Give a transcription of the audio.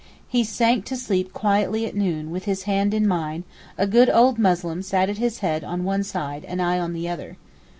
He sank to sleep quietly at noon with his hand in mine, a good old Muslim sat at his head on one side and I on the other.